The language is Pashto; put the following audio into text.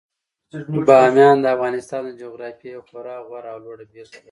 بامیان د افغانستان د جغرافیې یوه خورا غوره او لوړه بېلګه ده.